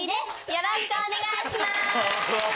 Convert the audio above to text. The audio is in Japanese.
よろしくお願いします！